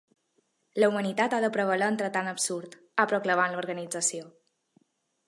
La humanitat ha de prevaler entre tant absurd, ha proclamat l’organització.